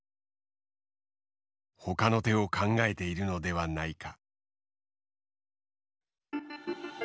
ほかの手を考えているのではないか。